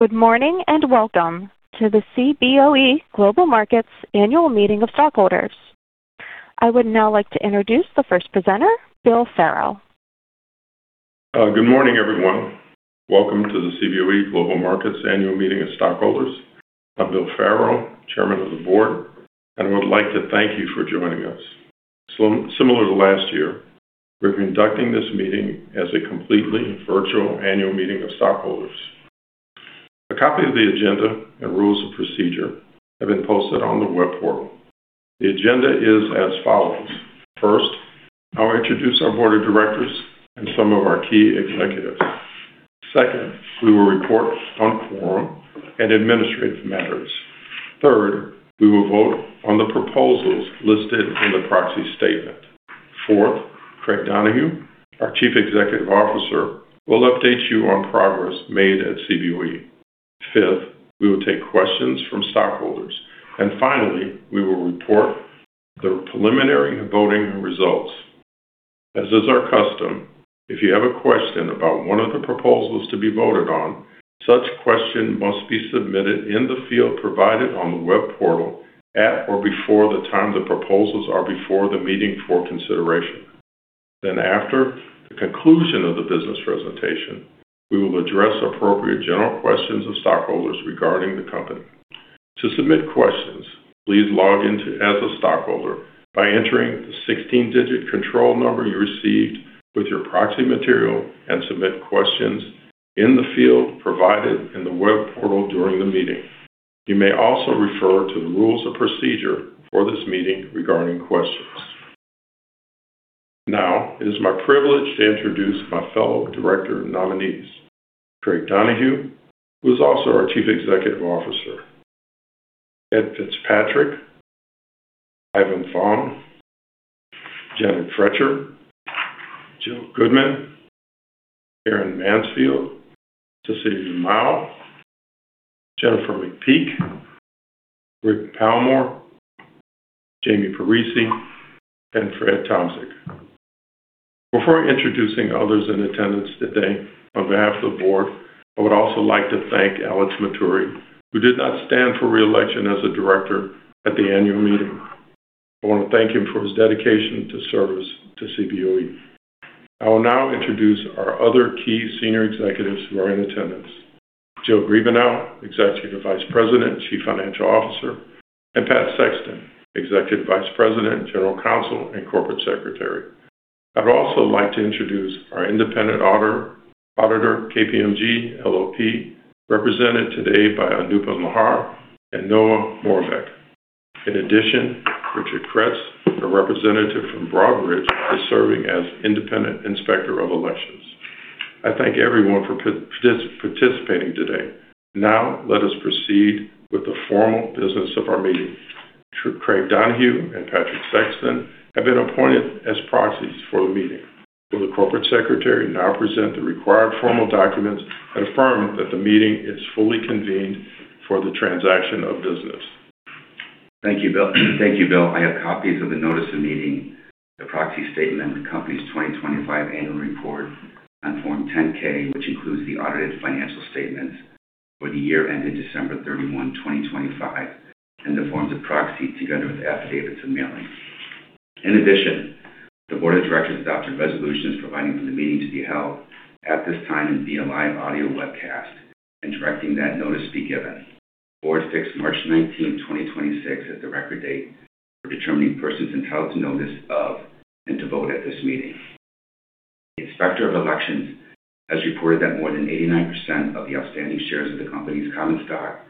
Good morning. Welcome to the Cboe Global Markets Annual Meeting of Stockholders. I would now like to introduce the first presenter, Will Farrow. Good morning, everyone. Welcome to the Cboe Global Markets Annual Meeting of Stockholders. I'm Will Farrow, Chairman of the Board, and would like to thank you for joining us. Similar to last year, we're conducting this meeting as a completely virtual annual meeting of stockholders. A copy of the agenda and rules of procedure have been posted on the web portal. The agenda is as follows. First, I'll introduce our Board of Directors and some of our key executives. Second, we will report on quorum and administrative matters. Third, we will vote on the proposals listed in the proxy statement. Fourth, Craig Donohue, our Chief Executive Officer, will update you on progress made at Cboe. Fifth, we will take questions from stockholders. Finally, we will report the preliminary voting results. As is our custom, if you have a question about one of the proposals to be voted on, such question must be submitted in the field provided on the web portal at or before the time the proposals are before the meeting for consideration. After the conclusion of the business presentation, we will address appropriate general questions of stockholders regarding the company. To submit questions, please log in to as a stockholder by entering the 16-digit control number you received with your proxy material and submit questions in the field provided in the web portal during the meeting. You may also refer to the rules of procedure for this meeting regarding questions. Now, it is my privilege to introduce my fellow director nominees. Craig Donohue, who is also our Chief Executive Officer, Ed Fitzpatrick, Ivan Fong, Janet Froetscher, Jill Goodman, Erin Mansfield, Cecilia Mao, Jennifer McPeek, Rick Palmore, Jamie Parisi, and Fred Tomczyk. Before introducing others in attendance today, on behalf of the board, I would also like to thank Alex Matturri, who did not stand for re-election as a Director at the annual meeting. I want to thank him for his dedication to service to Cboe. I will now introduce our other key senior executives who are in attendance. Jill Griebenow, Executive Vice President and Chief Financial Officer, and Pat Sexton, Executive Vice President, General Counsel, and Corporate Secretary. I'd also like to introduce our independent auditor, KPMG LLP, represented today by Anoopa Mahar and Noah Moravec. In addition, Richard Kretz, a representative from Broadridge, is serving as independent Inspector of Elections. I thank everyone for participating today. Now let us proceed with the formal business of our meeting. Craig Donohue and Patrick Sexton have been appointed as proxies for the meeting. Will the corporate secretary now present the required formal documents and affirm that the meeting is fully convened for the transaction of business? Thank you, Will. Thank you, Will. I have copies of the notice of meeting, the proxy statement, the company's 2025 annual report on Form 10-K, which includes the audited financial statements for the year ended December 31, 2025, and the forms of proxy, together with affidavits of mailing. In addition, the board of directors adopted resolutions providing for the meeting to be held at this time and via live audio webcast and directing that notice be given. The board fixed March 19th, 2026 as the record date for determining persons entitled to notice of and to vote at this meeting. Inspector of Elections has reported that more than 89% of the outstanding shares of the company's common stock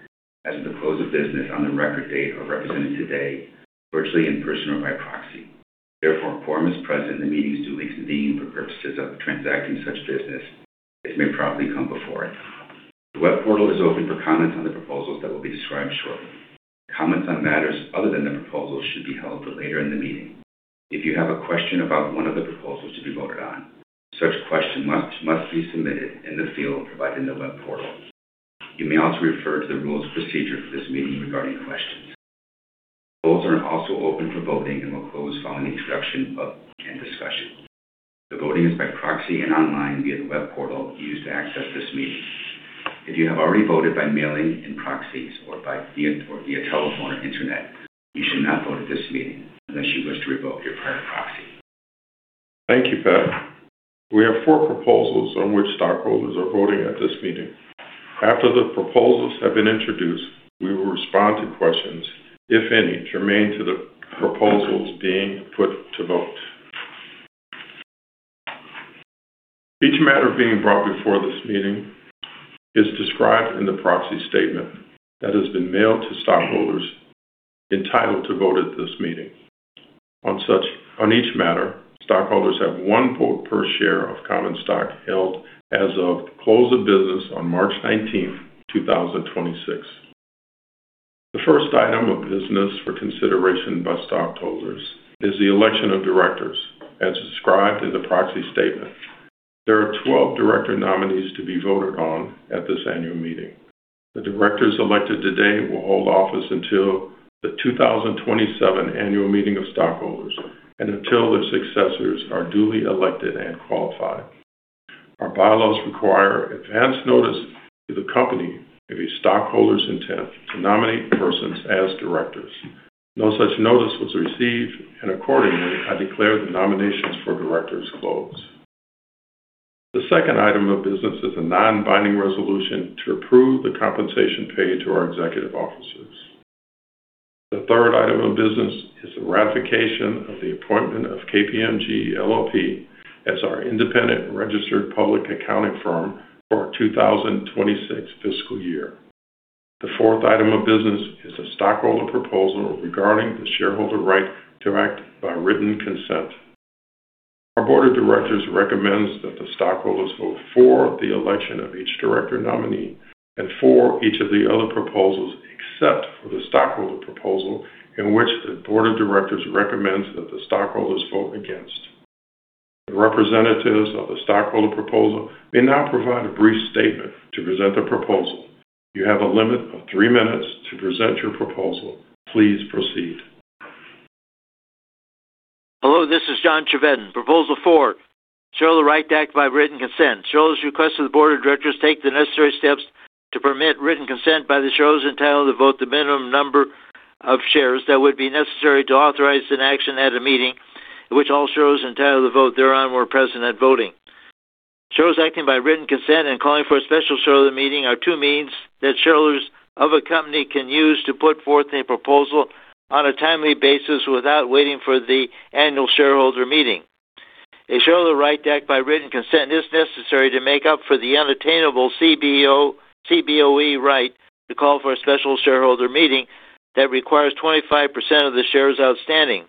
as of the close of business on the record date are represented today virtually, in person, or by proxy. Therefore, a quorum is present and the meeting is duly convened for purposes of transacting such business as may properly come before it. The web portal is open for comments on the proposals that will be described shortly. Comments on matters other than the proposals should be held for later in the meeting. If you have a question about one of the proposals to be voted on, such question must be submitted in the field provided in the web portal. You may also refer to the rules of procedure for this meeting regarding questions. Polls are also open for voting and will close following the introduction of and discussion. The voting is by proxy and online via the web portal used to access this meeting. If you have already voted by mailing in proxies or by via, or via telephone or internet, you should not vote at this meeting unless you wish to revoke your prior proxy. Thank you, Pat. We have four proposals on which stockholders are voting at this meeting. After the proposals have been introduced, we will respond to questions, if any, germane to the proposals being put to vote. Each matter being brought before this meeting is described in the proxy statement that has been mailed to stockholders entitled to vote at this meeting. On each matter, stockholders have one vote per share of common stock held as of close of business on March 19th, 2026. The first item of business for consideration by stockholders is the election of directors as described in the proxy statement. There are 12 director nominees to be voted on at this annual meeting. The directors elected today will hold office until the 2027 annual meeting of stockholders and until their successors are duly elected and qualified. Our bylaws require advance notice to the company of a stockholder's intent to nominate persons as directors. No such notice was received, and accordingly, I declare the nominations for directors closed. The second item of business is a non-binding resolution to approve the compensation paid to our executive officers. The third item of business is the ratification of the appointment of KPMG LLP as our independent registered public accounting firm for our 2026 fiscal year. The fourth item of business is a stockholder proposal regarding the shareholder right to act by written consent. Our board of directors recommends that the stockholders vote for the election of each director nominee and for each of the other proposals, except for the stockholder proposal in which the board of directors recommends that the stockholders vote against. The representatives of the stockholder proposal may now provide a brief statement to present their proposal. You have a limit of three minutes to present your proposal. Please proceed. Hello, this is John Chevedden. Proposal 4, shareholder right to act by written consent. Shareholders request that the board of directors take the necessary steps to permit written consent by the shareholders entitled to vote the minimum number of shares that would be necessary to authorize an action at a meeting in which all shareholders entitled to vote thereon were present at voting. Shareholders acting by written consent and calling for a special shareholder meeting are two means that shareholders of a company can use to put forth a proposal on a timely basis without waiting for the annual shareholder meeting. A shareholder right to act by written consent is necessary to make up for the unattainable Cboe right to call for a special shareholder meeting that requires 25% of the shares outstanding.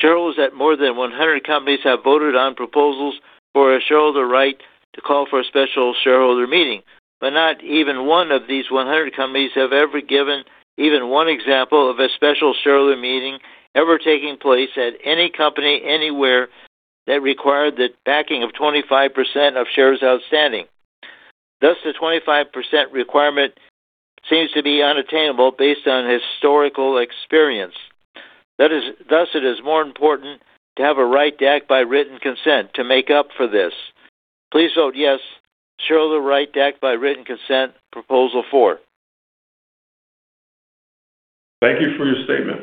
Shareholders at more than 100 companies have voted on proposals for a shareholder right to call for a special shareholder meeting, but not even one of these 100 companies have ever given even one example of a special shareholder meeting ever taking place at any company anywhere that required the backing of 25% of shares outstanding. The 25% requirement seems to be unattainable based on historical experience. It is more important to have a right to act by written consent to make up for this. Please vote yes, shareholder right to act by written consent, proposal 4. Thank you for your statement.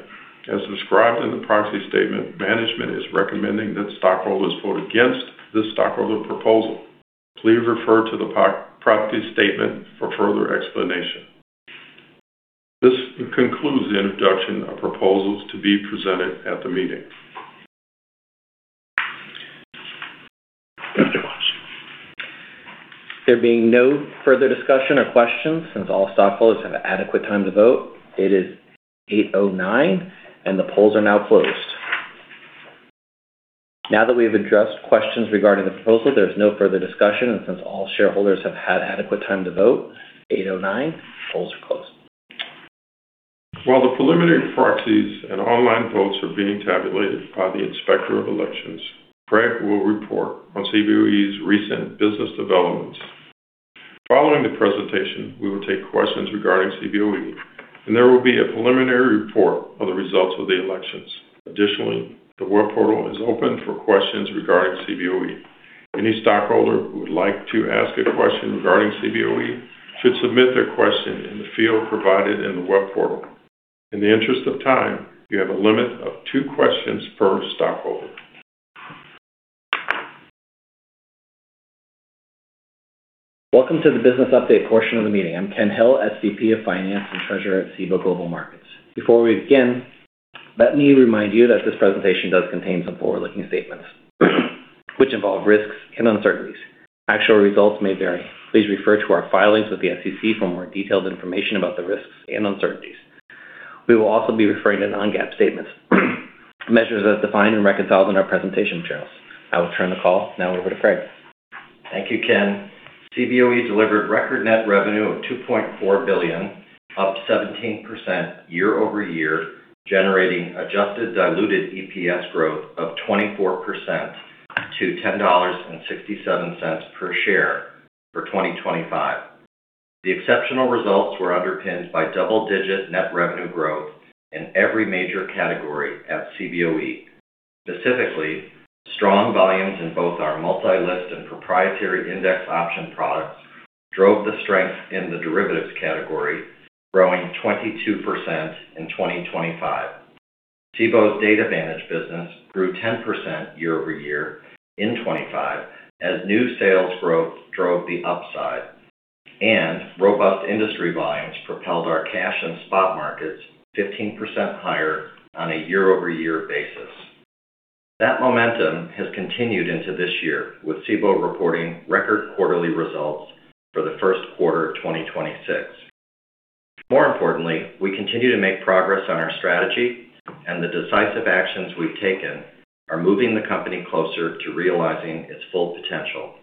As described in the proxy statement, management is recommending that stockholders vote against this stockholder proposal. Please refer to the proxy statement for further explanation. This concludes the introduction of proposals to be presented at the meeting. There being no further discussion or questions, since all stockholders have had adequate time to vote, it is 8:09 and the polls are now closed. Now that we have addressed questions regarding the proposal, there is no further discussion, and since all shareholders have had adequate time to vote, 8:09, polls are closed. While the preliminary proxies and online votes are being tabulated by the Inspector of Elections, Craig will report on Cboe's recent business developments. Following the presentation, we will take questions regarding Cboe, and there will be a preliminary report on the results of the elections. Additionally, the web portal is open for questions regarding Cboe. Any stockholder who would like to ask a question regarding Cboe should submit their question in the field provided in the web portal. In the interest of time, you have a limit of two questions per stockholder. Welcome to the business update portion of the meeting. I'm Ken Hill, SVP of Finance and Treasurer at Cboe Global Markets. Before we begin, let me remind you that this presentation does contain some forward-looking statements which involve risks and uncertainties. Actual results may vary. Please refer to our filings with the SEC for more detailed information about the risks and uncertainties. We will also be referring to non-GAAP statements, measures as defined and reconciled in our presentation materials. I will turn the call now over to Craig. Thank you, Ken. Cboe delivered record net revenue of $2.4 billion, up 17% year-over-year, generating adjusted diluted EPS growth of 24% to $10.67 per share for 2025. The exceptional results were underpinned by double-digit net revenue growth in every major category at Cboe. Specifically, strong volumes in both our multi-listed and proprietary index option products drove the strength in the derivatives category, growing 22% in 2025. Cboe Data Vantage business grew 10% year-over-year in 2025 as new sales growth drove the upside, and robust industry volumes propelled our cash and spot markets 15% higher on a year-over-year basis. That momentum has continued into this year, with Cboe reporting record quarterly results for the first quarter of 2026. More importantly, we continue to make progress on our strategy, and the decisive actions we've taken are moving the company closer to realizing its full potential.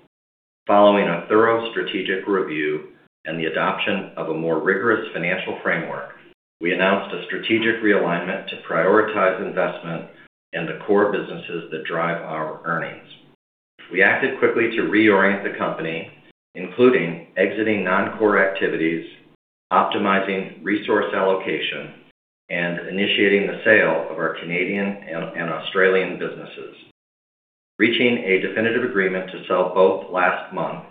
Following a thorough strategic review and the adoption of a more rigorous financial framework, we announced a strategic realignment to prioritize investment in the core businesses that drive our earnings. We acted quickly to reorient the company, including exiting non-core activities, optimizing resource allocation and initiating the sale of our Canadian and Australian businesses. Reaching a definitive agreement to sell both last month,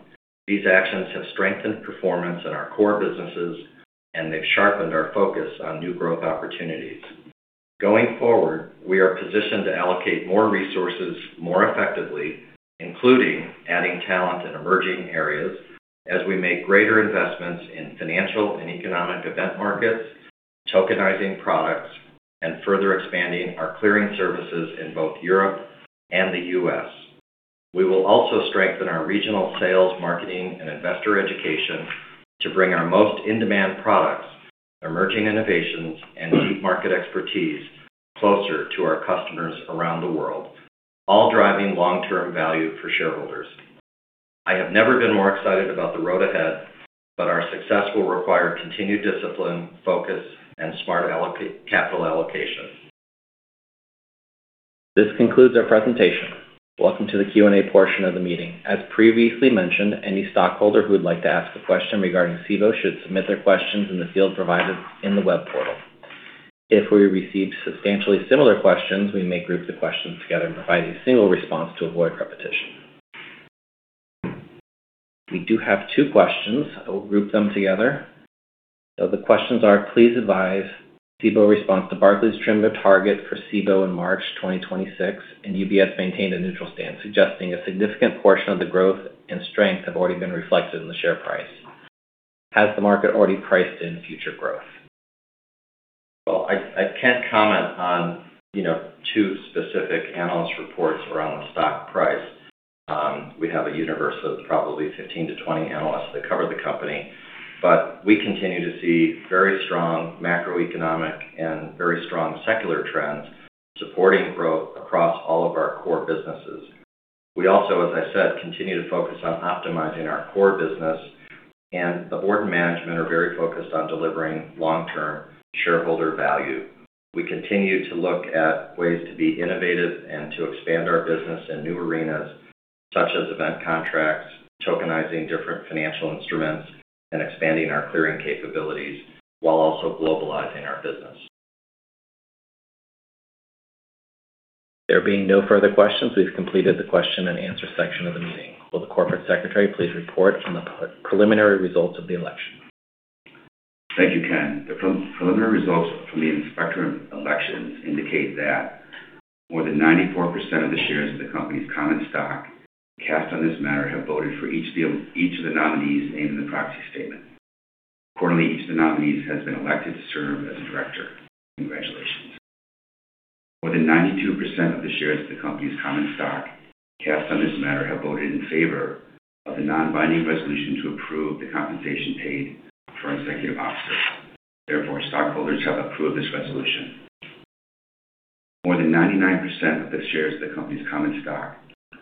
these actions have strengthened performance in our core businesses, and they've sharpened our focus on new growth opportunities. Going forward, we are positioned to allocate more resources more effectively, including adding talent in emerging areas as we make greater investments in financial and economic event markets, tokenizing products, and further expanding our clearing services in both Europe and the U.S. We will also strengthen our regional sales, marketing, and investor education to bring our most in-demand products, emerging innovations, and deep market expertise closer to our customers around the world, all driving long-term value for shareholders. I have never been more excited about the road ahead. Our success will require continued discipline, focus, and smart capital allocation. This concludes our presentation. Welcome to the Q&A portion of the meeting. As previously mentioned, any stockholder who would like to ask a question regarding Cboe should submit their questions in the field provided in the web portal. If we receive substantially similar questions, we may group the questions together and provide a single response to avoid repetition. We do have two questions. I will group them together. The questions are, "Please advise Cboe response to Barclays trimmed their target for Cboe in March 2026, and UBS maintained a neutral stance, suggesting a significant portion of the growth and strength have already been reflected in the share price. Has the market already priced in future growth? Well, I can't comment on, you know, two specific analyst reports around stock price. We have a universe of probably 15 to 20 analysts that cover the company. We continue to see very strong macroeconomic and very strong secular trends supporting growth across all of our core businesses. We also, as I said, continue to focus on optimizing our core business, and the board and management are very focused on delivering long-term shareholder value. We continue to look at ways to be innovative and to expand our business in new arenas such as event contracts, tokenizing different financial instruments, and expanding our clearing capabilities while also globalizing our business. There being no further questions, we've completed the question and answer section of the meeting. Will the Corporate Secretary please report on the preliminary results of the election? Thank you, Ken. The preliminary results from the Inspector of Elections indicate that more than 94% of the shares of the company's common stock cast on this matter have voted for each of the nominees named in the proxy statement. Each of the nominees has been elected to serve as a director. Congratulations. More than 92% of the shares of the company's common stock cast on this matter have voted in favor of the non-binding resolution to approve the compensation paid for executive officers. Stockholders have approved this resolution. More than 99% of the shares of the company's common stock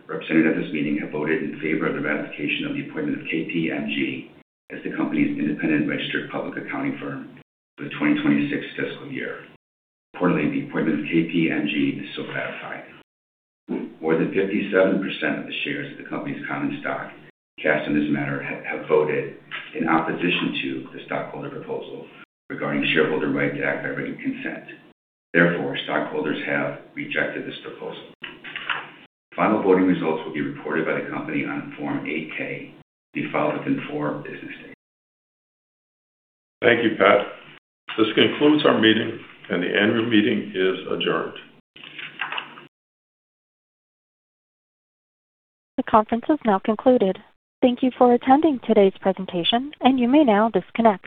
represented at this meeting have voted in favor of the ratification of the appointment of KPMG as the company's independent registered public accounting firm for the 2026 fiscal year. The appointment of KPMG is so ratified. More than 57% of the shares of the company's common stock cast on this matter have voted in opposition to the stockholder proposal regarding shareholder right to act by written consent. Therefore, stockholders have rejected this proposal. Final voting results will be reported by the company on Form 8-K to be filed within four business days. Thank you, Pat. This concludes our meeting, and the annual meeting is adjourned. The conference has now concluded. Thank you for attending today's presentation and you may now disconnect.